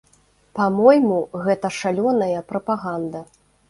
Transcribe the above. Па-мойму, гэта шалёная прапаганда.